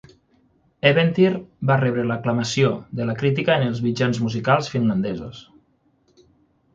Eventyr va rebre l'aclamació de la crítica en els mitjans musicals finlandesos.